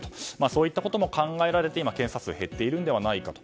そういったことも考えられて検査数が減っているのではないかと。